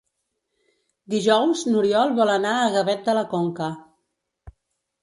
Dijous n'Oriol vol anar a Gavet de la Conca.